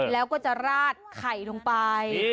แล้วก็จะราดไข่ลงไป